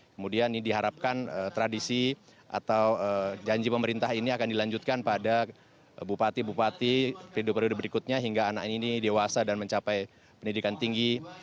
kemudian ini diharapkan tradisi atau janji pemerintah ini akan dilanjutkan pada bupati bupati periode periode berikutnya hingga anak ini dewasa dan mencapai pendidikan tinggi